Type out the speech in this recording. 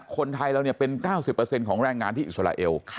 คนไทยเราเป็น๙๐ของแรงงานที่อิสราเอล